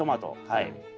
はい。